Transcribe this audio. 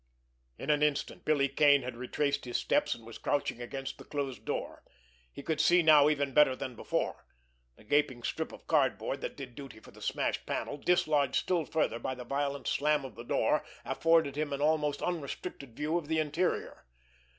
In an instant, Billy Kane had retraced his steps, and was crouching against the closed door. He could see now even better than before. The gaping strip of cardboard that did duty for the smashed panel, dislodged still farther by the violent slam of the door, afforded him an almost unrestricted view of the interior.